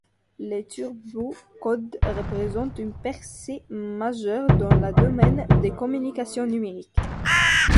Les turbo codes représentent une percée majeure dans le domaine des communications numériques.